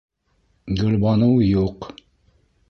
Гөлбаныу юҡ.